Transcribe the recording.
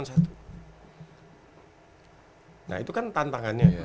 nah itu kan tantangannya